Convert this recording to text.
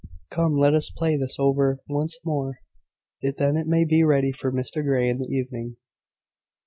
Come! let us play this over once more, that it may be ready for Mr Grey in the evening."